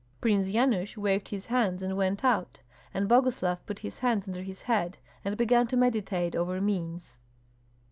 Prince Yanush waved his hands and went out; and Boguslav put his hands under his head, and began to meditate over means.